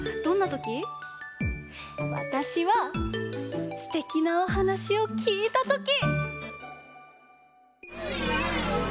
わたしはすてきなおはなしをきいたとき！